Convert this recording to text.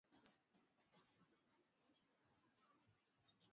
inaendelea kutumia Kiingereza katika shughuli za serikali